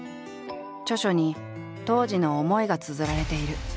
著書に当時の思いがつづられている。